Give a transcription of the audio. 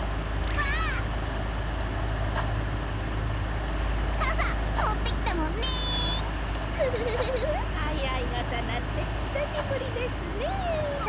あいあいがさなんてひさしぶりですねぇ。